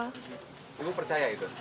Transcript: ibu percaya itu